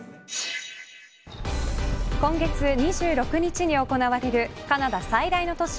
今月２６日に行われるカナダ最大の都市